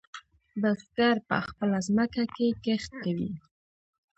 بزگر په خپله ځمکه کې کښت کوي.